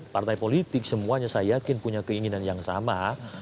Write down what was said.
partai politik semuanya saya yakin punya keinginan yang sama